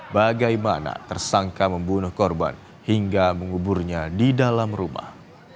bagaimana tersangka membunuh korban hingga menguburnya di dalam rumah